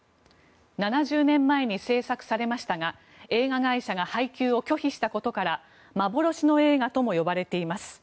７０年前に製作されましたが映画会社が配給を拒否したことから幻の映画とも呼ばれています。